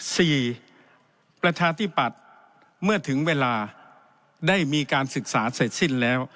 ประชาธิปัตย์เมื่อถึงเวลาได้มีการศึกษาเสร็จสิ้นแล้ว